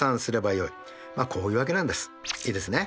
いいですね。